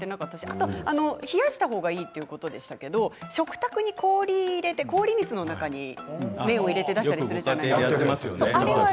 ことを冷やしたほうがいいということでしたけれども食卓に、氷を入れて氷水の中に、麺を入れて出したりするじゃないですか、あれは？